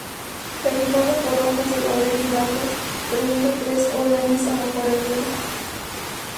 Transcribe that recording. Perfilado por hojas de laurel y bayas, presenta tres órdenes a bajorrelieve.